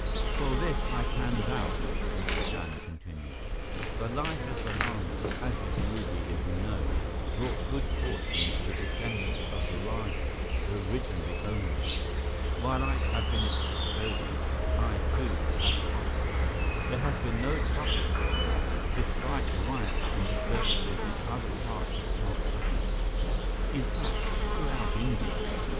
"For this I can vouch," Mr. Chand continued. "The Light of the Lama, as this ruby is known, brought good fortune to the descendants of the rajah who originally owned it. While I have been its custodian, I, too, have prospered. There has been no trouble here, despite riots and disturbances in other parts of Calcutta, in fact, throughout India."